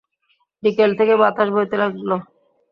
বিকেল থেকে বাতাস বইতে লাগল।